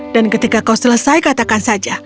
dan ketika kau selesai katakan saja